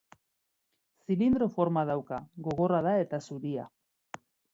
Zilindro forma dauka, gogorra da eta zuria.